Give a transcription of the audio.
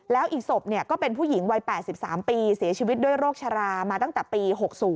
แล้วอีกศพก็เป็นผู้หญิงวัย๘๓ปีเสียชีวิตด้วยโรคชรามาตั้งแต่ปี๖๐